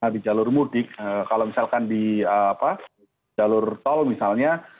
di jalur mudik kalau misalkan di jalur tol misalnya